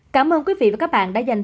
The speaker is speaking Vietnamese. cảm ơn quý vị và các bạn đã dành